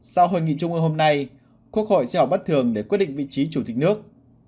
sau hội nghị trung ương hôm nay quốc hội sẽ họp bất thường để quyết định vị trí chủ tịch nước